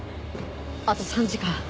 あと３時間。